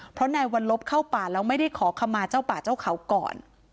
เพราะนายวัลลบเข้าป่าแล้วไม่ได้ขอขมาเจ้าป่าเจ้าเขาก่อน